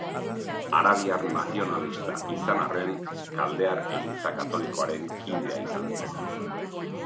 Arabiar nazionalista izan arren, Kaldear Eliza Katolikoaren kidea izan zen.